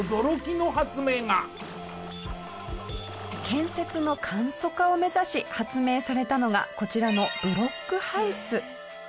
建設の簡素化を目指し発明されたのがこちらのブロックハウス。